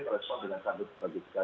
terleson dengan kandung